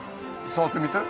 触ってみて。